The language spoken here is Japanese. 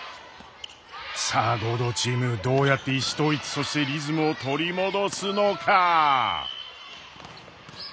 さあ合同チームどうやって意思統一そしてリズムを取り戻すのか。